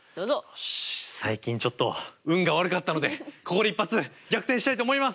よし最近ちょっと運が悪かったのでここで一発逆転したいと思います！